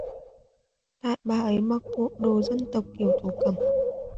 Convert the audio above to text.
tại bà ấy mặc bồ đồ dân tộc kiểu thổ cẩm